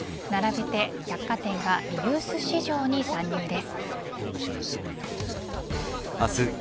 並べて百貨店がリユース市場に参入です。